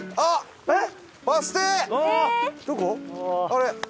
あれ！